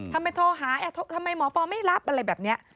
ทำไมโทรหาทำไมหมอปอไม่รับอะไรแบบนี้